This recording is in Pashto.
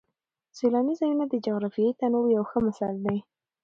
سیلاني ځایونه د جغرافیوي تنوع یو ښه مثال دی.